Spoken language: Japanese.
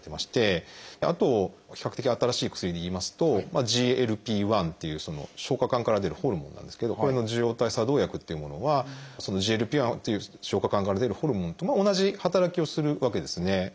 あと比較的新しい薬でいいますと「ＧＬＰ−１」っていう消化管から出るホルモンなんですけどこれの受容体作動薬っていうものはＧＬＰ−１という消化管から出るホルモンとも同じ働きをするわけですね。